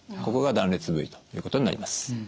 ここが断裂部位ということになります。